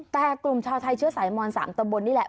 แต่กลุ่มชาวไทยเชื้อสายมอน๓ตะบนนี่แหละ